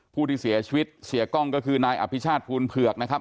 ผู้ที่เสียชีวิตเสียกล้องก็คือนายอภิชาติภูลเผือกนะครับ